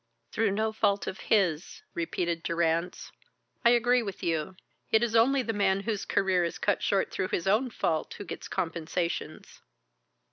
"Through no fault of his," repeated Durrance. "I agree with you. It is only the man whose career is cut short through his own fault who gets compensations."